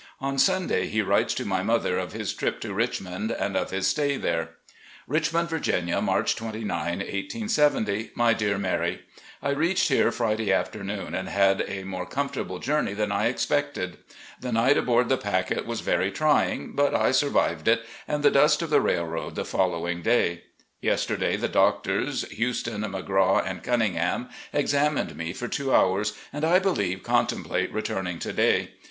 On Simday he writes to my mother of his trip to Richmond and of his stay there : "Richmond, Virginia, March 29, 1870. "My Dear Mary: I reached here Friday afternoon, and had a more comfortable journey than I expected. 388 THE SOUTHERN TRIP 389 The night aboard the packet was very trying, but I survived it, and the dust of the railroad the following day. Yesterday the doctors, Huston, McCaw, and Cun ningham, examined me for two hours, and, I beKeve, contemplate returning to day.